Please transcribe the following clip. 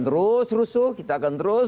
terus rusuh kita akan terus